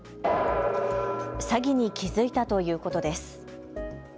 詐欺に気付いたということです。